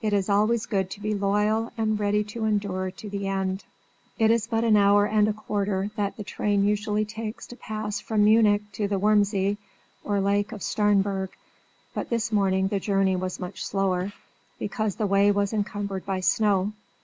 It is always good to be loyal and ready to endure to the end. It is but an hour and a quarter that the train usually takes to pass from Munich to the Wurm See or Lake of Starnberg but this morning the journey was much slower, because the way was encumbered by snow.